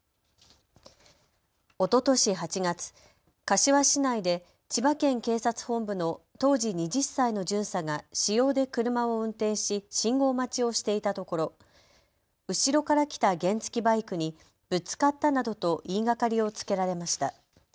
おととし８月２０歳の巡査が私用で車を運転し信号待ちをしていたところ後ろから来た原付きバイクにぶつかったなどと言いがかりをつけられました。